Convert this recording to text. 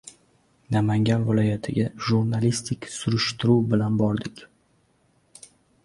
Namangan viloyatiga jurnalistik surishtiruv bilan bordik.